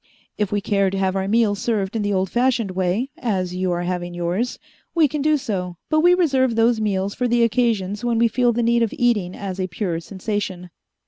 If we care to have our meals served in the old fashioned way, as you are having yours, we can do so, but we reserve those meals for the occasions when we feel the need of eating as a pure sensation.